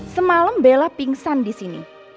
semalam bella pingsan di sini